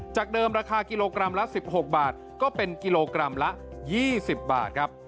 เดิมราคากิโลกรัมละ๑๖บาทก็เป็นกิโลกรัมละ๒๐บาทครับ